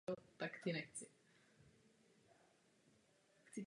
Poslední provokací je informace, že Gruzie unesla ruského vojáka.